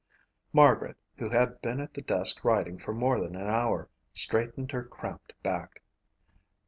Margaret, who had been at the desk writing for more than an hour, straightened her cramped back.